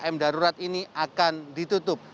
pemprov d i e akan ditutup